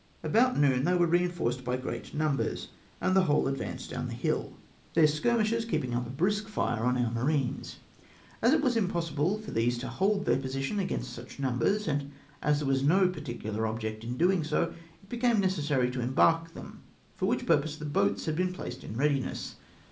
About noon they were reinforced by great num bers, and the whole advanced down the hill, their 330 OrERATIOXS OF THE ENEMY. skirmishers keeping up a brisk fire upon our marines. As it was impossible for these to hold thek position against such numbers, and as there was no particular ol)ject in so doing, it became necessary to embark them, for which purpose the boats had been placed in readiness.